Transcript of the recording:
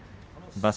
場所